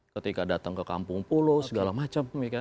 ketika datang ke kampung pulau segala macam